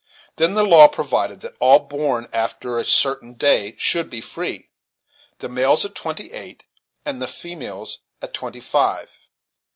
Then the law provided that all born after a certain day should be free, the males at twenty eight and the females at twenty five.